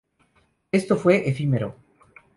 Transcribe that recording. Esto fue efímero.